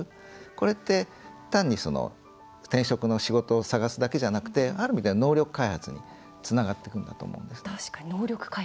これって単に転職の仕事を探すだけじゃなくてある意味では能力開発につながっていくんだと思うんですね。